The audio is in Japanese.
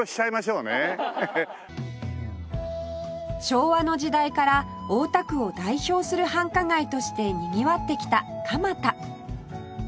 昭和の時代から大田区を代表する繁華街としてにぎわってきた蒲田